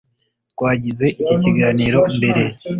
twagize iki kiganiro mbere